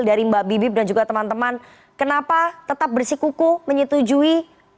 dari mbak bibip dan juga teman teman kenapa tetap bersikuku menyetujui